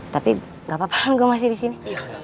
tapi gapapa kan gua masih di sini